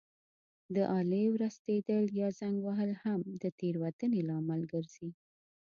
د آلې ورستېدل یا زنګ وهل هم د تېروتنې لامل ګرځي.